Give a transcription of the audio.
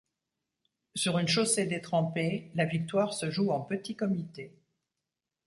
Sur une chaussée détrempée, la victoire se joue en petit comité.